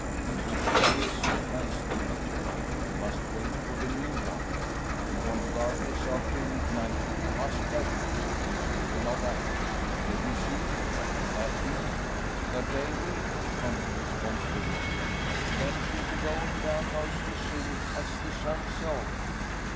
"In which case," adds the Major, "we must wait for the new one. We want darkness after midnight must have it else we cannot act. Let me see; when will that be?" "The day week," promptly responds the waterman. "Then she'll be goin' down, most as soon as the sun's self."